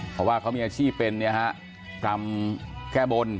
เพราะว่าเขามีอาชีพเป็นกรรมแก้บน